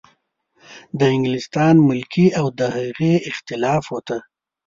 د انګلستان ملکې او د هغې اخلافو ته.